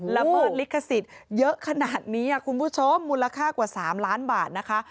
ละเมิดลิขสิทธิ์เยอะขนาดนี้คุณผู้ชมมูลค่ากว่า๓ล้านบาทนะคะ